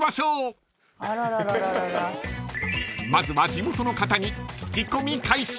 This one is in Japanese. ［まずは地元の方に］